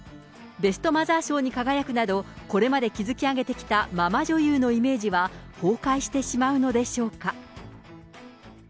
ベストマザー賞に輝くなど、これまで築き上げてきたママ女優のイメージは崩壊してしまうのでしょうか。